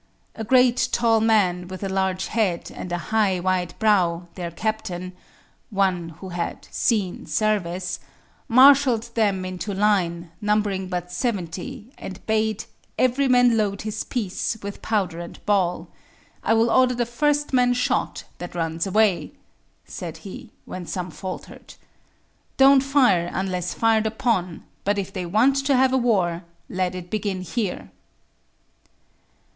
A great, tall man, with a large head and a high, wide brow, their captain, one who had "seen service," marshalled them into line, numbering but seventy, and bade "every man load his piece with powder and ball. I will order the first man shot that runs away," said he, when some faltered. "Don't fire unless fired upon, but if they want to have a war, let it begin here."